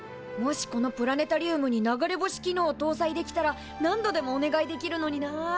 もしこのプラネタリウムに流れ星機能をとうさいできたら何度でもお願いできるのにな。